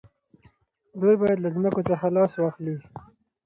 دوی باید له ځمکو څخه لاس واخلي.